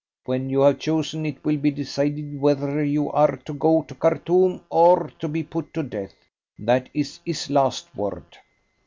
When you have chosen, it will be decided whether you are to go to Khartoum or to be put to death. That is his last word."